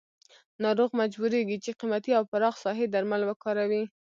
ناروغ مجبوریږي چې قیمتي او پراخ ساحې درمل وکاروي.